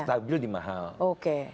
stabil di mahal oke